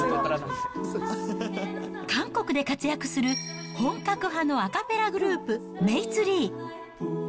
韓国で活躍する本格派のアカペラグループ、メイ・ツリー。